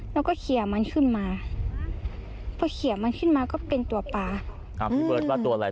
แล้วก็เขียนมันขึ้นมา